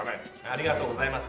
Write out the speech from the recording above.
ありがとうございます。